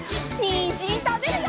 にんじんたべるよ！